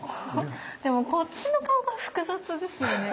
でもこっちの顔が複雑ですよね。